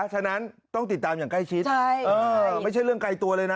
ฉะนั้นต้องติดตามอย่างใกล้ชิดไม่ใช่เรื่องไกลตัวเลยนะ